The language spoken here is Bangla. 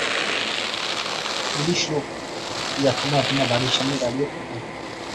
পুলিশের লোক কি এখনো আপনার বাড়ির সামনে দাঁড়িয়ে থাকে?